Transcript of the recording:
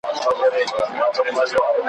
هر نفس دی لکه عطر د سره گل په شان لگېږی !.